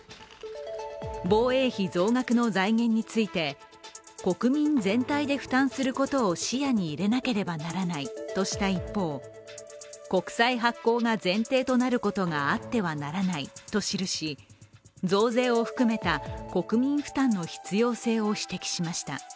防衛費増額の財源について国民全体で負担することを視野に入れなければならないとした一方、国債発行が前提となることがあってはならないと記し、増税を含めた国民負担の必要性を指摘しました。